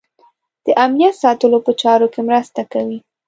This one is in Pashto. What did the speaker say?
د امنیت ساتلو په چارو کې مرسته کوي.